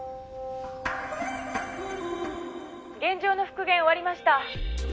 「現場の復元終わりました」